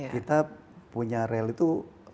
kita punya rel itu